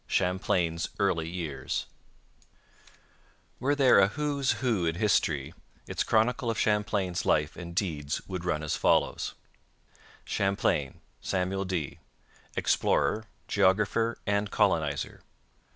CHAMPLAIN'S EARLY YEARS Were there a 'Who's Who in History' its chronicle of Champlain's life and deeds would run as follows: Champlain, Samuel de. Explorer, geographer, and colonizer.